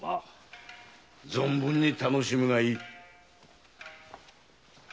存分に楽しむがいい。